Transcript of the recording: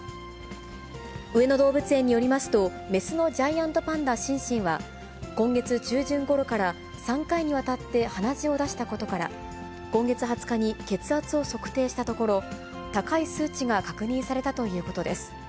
上野動物園によりますと、雌のジャイアントパンダ、シンシンは、今月中旬ごろから３回にわたって鼻血を出したことから、今月２０日に血圧を測定したところ、高い数値が確認されたということです。